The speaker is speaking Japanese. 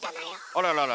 あらららら。